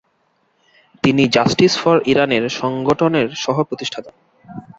তিনি Justice for ইরানের সংগঠনের সহ-প্রতিষ্ঠাতা।